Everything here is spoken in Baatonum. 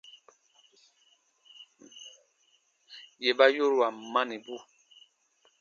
Yè ba yoruan manibu.